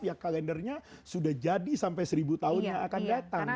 ya kalendernya sudah jadi sampai seribu tahun yang akan datang